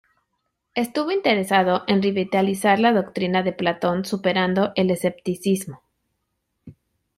Estuvo interesado en revitalizar la doctrina de Platón superando el escepticismo.